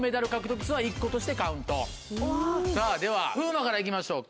さぁでは風磨から行きましょうか。